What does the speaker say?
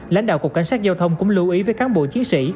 lãnh đạo cục cảnh sát giao thông cũng lưu ý với cán bộ chiến sĩ